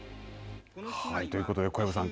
ということで小籔さん